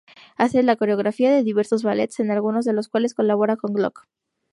Hace la coreografía de diversos ballets, en algunos de los cuales colabora con Gluck.